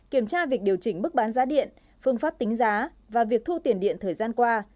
kiểm tra việc điều chỉnh mức bán giá điện phương pháp tính giá và việc thu tiền điện thời gian qua